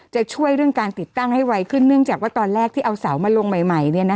จะช่วยเรื่องการติดตั้งให้ไวขึ้นเนื่องจากว่าตอนแรกที่เอาเสามาลงใหม่